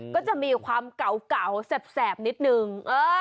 ก็จะมีความเก่าแสบนิดนึง